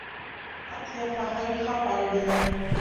Ат яфаһын һабан белә.